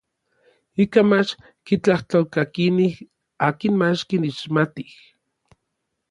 Ikan mach kitlajtolkakinij akin mach kixmatij.